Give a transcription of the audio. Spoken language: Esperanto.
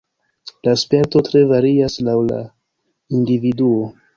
La sperto tre varias laŭ la individuo.